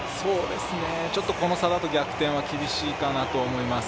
ちょっとこの差だと逆転は厳しいかなと思います。